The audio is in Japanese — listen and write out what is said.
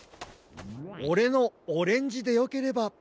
オレのオレンジでよければ。